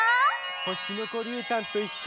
ほしのこりゅうちゃんといっしょに。